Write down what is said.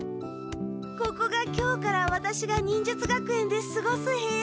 ここが今日からワタシが忍術学園ですごす部屋。